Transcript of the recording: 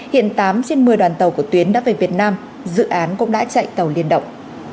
hiện tám trên một mươi đoàn tàu của tuyến đã về việt nam dự án cũng đã chạy tàu liên động